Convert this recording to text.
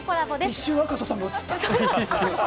一瞬、赤楚さんが映った！